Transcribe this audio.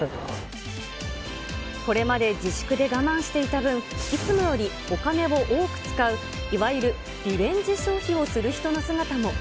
これまで自粛で我慢していた分、いつもよりお金を多く使う、いわゆるリベンジ消費をする人の姿も。